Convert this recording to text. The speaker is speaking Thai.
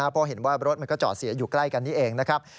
เพราะเห็นว่ารถมันก็จอดเสียอยู่ใกล้กันนี้เองนะครับ